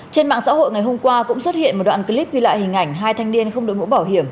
trên mạng xã hội ngày hôm qua cũng xuất hiện một đoạn clip ghi lại hình ảnh hai thanh niên không đội mũ bảo hiểm